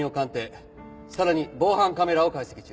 さらに防犯カメラを解析中。